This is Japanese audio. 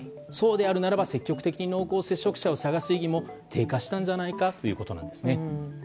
そうであるならば積極的に濃厚接触者を探す意義も低下したのではないかということです。